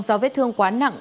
do vết thương quá nặng